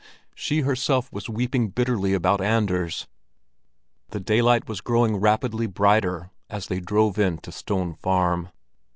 She herself was weeping bitterly about Anders. The daylight was growing rapidly brighter as they drove in to Stone Farm.